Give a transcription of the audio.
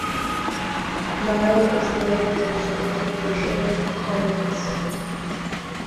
Nile is noted for his controversial comments.